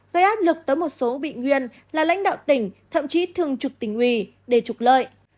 gây áp lực tới một số bị nguyên là lãnh đạo tỉnh thậm chí thường trực tỉnh ủy để trục lợi